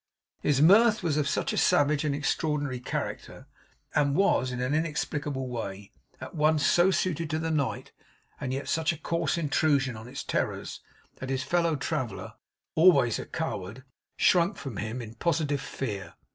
His mirth was of such a savage and extraordinary character, and was, in an inexplicable way, at once so suited to the night, and yet such a coarse intrusion on its terrors, that his fellow traveller, always a coward, shrunk from him in positive fear.